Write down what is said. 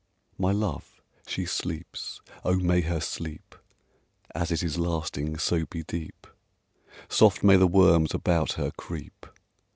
My love, she sleeps! Oh, may her sleep, As it is lasting, so be deep; Soft may the worms about her creep!